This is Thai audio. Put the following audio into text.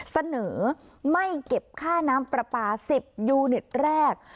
เสนอไม่เก็บค่าน้ำปลาปลา๑๐ยูนิตแรก